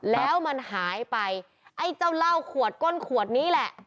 แล้วมันหายไปไอ้เจ้าเหล้าขวดก้นขวดนี้แหละ